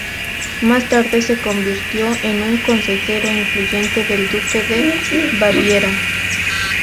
Más tarde se convirtió en un consejero influyente del Duque de Baviera.